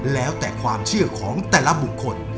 แล้วแต่ความเชื่อของแต่ละบุคคล